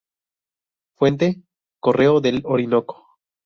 Fuente: Correo del Orinoco